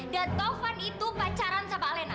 dan taufan itu pacaran sama alena